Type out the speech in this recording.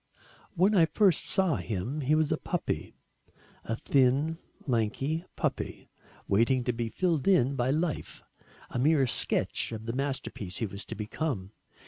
When I first saw him, he was a puppy a thin lanky puppy, waiting to be filled in by life, a mere sketch of the masterpiece he was to become.